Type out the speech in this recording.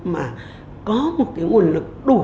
mà có một nguồn lực đủ